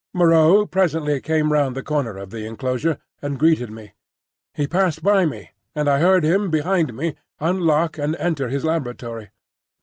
Moreau presently came round the corner of the enclosure and greeted me. He passed by me, and I heard him behind me unlock and enter his laboratory.